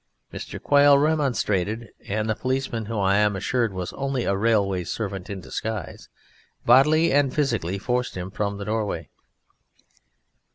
Mr. Quail remonstrated, and the policeman who, I am assured, was only a railway servant in disguise bodily and physically forced him from the doorway.